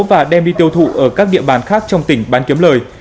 và đem đi tiêu thụ ở các địa bàn khác trong tỉnh bán kiếm lời